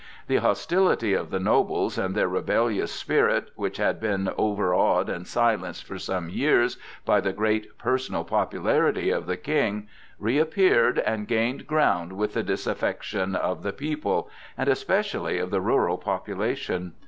The hostility of the nobles and their rebellious spirit, which had been overawed and silenced for some years by the great personal popularity of the King, reappeared and gained ground with the disaffection of the people, and especially of the rural population.